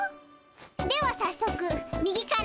ではさっそく右から。